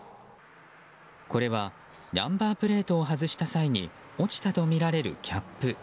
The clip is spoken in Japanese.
これはナンバープレートを外した際に落ちたとみられるキャップ。